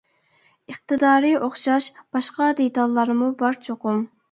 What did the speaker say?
ئىقتىدارى ئوخشاش باشقا دېتاللارمۇ بار چوقۇم.